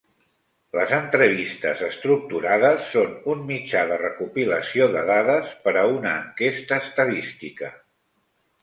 Les entrevistes estructurades són un mitjà de recopilació de dades per a una enquesta estadística.